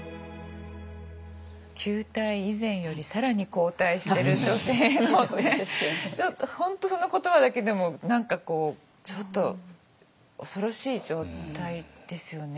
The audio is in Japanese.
旧態依然より更に後退してる女性のってちょっと本当その言葉だけでも何かこうちょっと恐ろしい状態ですよね。